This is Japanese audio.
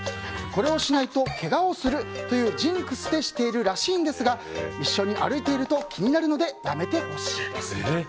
これをしないとけがするというジンクスでしているらしいんですが一緒に歩いていると気になるのでやめてほしいです。